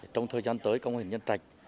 trong thời gian tới công an huyện nhân trạch